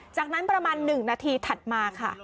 จากนั้นประมาณ๑นาทีถัดมาค่ะ